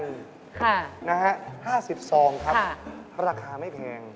นะฮะ๕๐ซองครับราคาไม่แพง